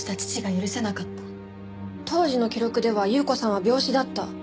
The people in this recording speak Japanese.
当時の記録では優子さんは病死だった。